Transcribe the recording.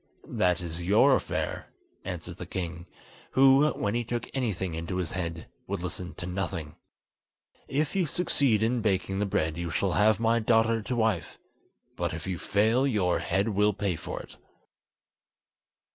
"That is your affair," answered the King, who, when he took anything into his head, would listen to nothing. "If you succeed in baking the bread you shall have my daughter to wife, but if you fail your head will pay for it."